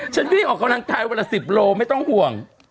วิ่งออกกำลังกายวันละ๑๐โลไม่ต้องห่วง